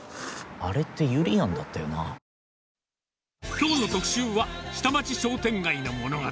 きょうの特集は、下町商店街の物語。